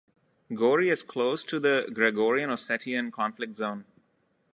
Gori is close to the Georgian-Ossetian conflict zone.